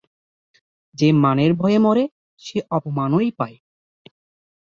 যে মানের ভয়ে মরে, সে অপমানই পায়।